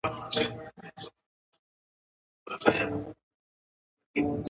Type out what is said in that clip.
د پاکوالي ساتل د ناروغۍ څخه د خلاصون لار ده.